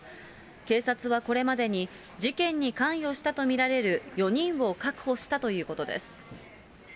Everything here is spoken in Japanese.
警察はこれまでに事件に関与したと見られる４人を確保したということです。